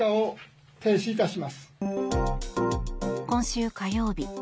今週火曜日